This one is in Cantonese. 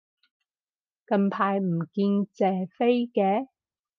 近排唔見謝飛嘅